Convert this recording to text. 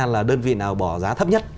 là đơn vị nào bỏ giá thấp nhất